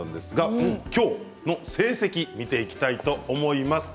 今日の成績を見ていきたいと思います。